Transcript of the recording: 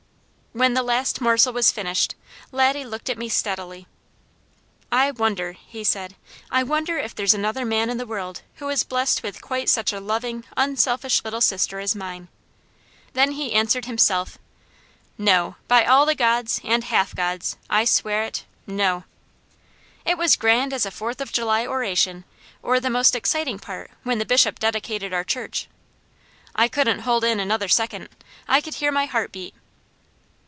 When the last morsel was finished, Laddie looked at me steadily. "I wonder," he said, "I wonder if there's another man in the world who is blest with quite such a loving, unselfish little sister as mine?" Then he answered himself: "No! By all the Gods, ant half Gods, I swear it No!" It was grand as a Fourth of July oration or the most exciting part when the Bishop dedicated our church. I couldn't hold in another second, I could hear my heart beat.